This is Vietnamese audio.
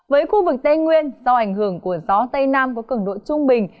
với khu vực tây nguyên do ảnh hưởng của gió tây nam có cường độ trung bình